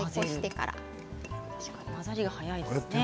確かに混ざりが早いですね。